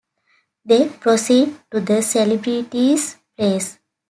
They proceed to the celebrity's place.